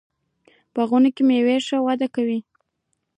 باغونو کې میوې ښه وده کوي.